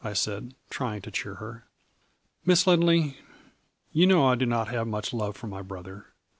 I said, trying to cheer her. "' Miss Lindley, you know I do not have much love for my brother.